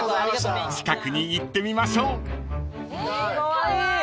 ［近くに行ってみましょう］カワイイ！